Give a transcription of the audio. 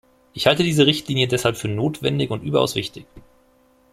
Ich halte diese Richtlinie deshalb für notwendig und überaus wichtig.